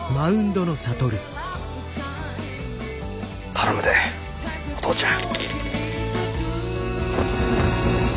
頼むでお父ちゃん。